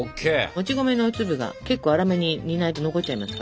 もち米の粒が結構粗めに煮ないと残っちゃいますから。